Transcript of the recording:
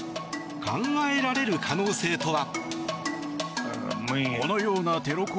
考えられる可能性とは？